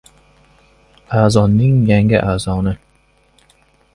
"Azon"ning yangi azoni